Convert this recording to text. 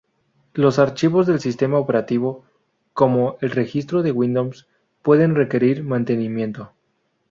Los archivos del sistema operativo, como el registro de Windows, pueden requerir mantenimiento.